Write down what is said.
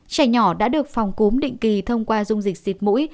trẻ nhỏ đã được phòng cúm định kỳ thông qua dung dịch xịt mũi